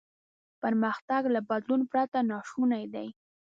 پرمختګ له بدلون پرته ناشونی دی.